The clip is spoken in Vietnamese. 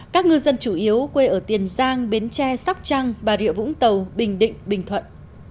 các ngư dân chủ yếu quê ở tiền giang bến tre sóc trăng bà rịa vũng tàu bình định bình thuận